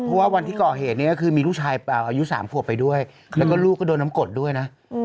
เพราะว่าวันที่ก่อเหตุนี้ก็คือมีลูกชายอายุ๓ขวบไปด้วยแล้วก็ลูกก็โดนน้ำกดด้วยนะ